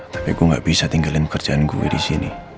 tapi gue gak bisa tinggalin kerjaan gue di sini